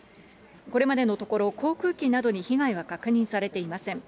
これまでのところ、航空機などに被害は確認されていません。